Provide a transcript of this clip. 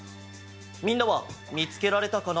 みんなはみつけられたかな？